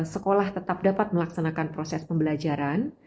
sekolah tetap dapat melaksanakan proses pembelajaran